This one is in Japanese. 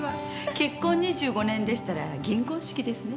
結婚２５年でしたら銀婚式ですね。